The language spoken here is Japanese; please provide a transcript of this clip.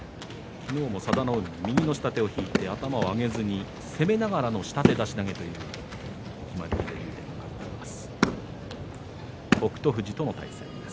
昨日も佐田の海に右の下手を引いて頭を上げずに攻めながらの下手出し投げという決まり手で勝っています。